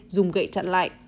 dùng gậy chặn lại